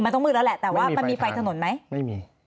แต่ว่ามันมีไฟถนนไหม